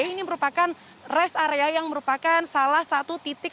ini merupakan rest area yang merupakan salah satu titik